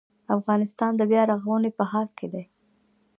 افغانستان د بیا رغونې په حال کې دی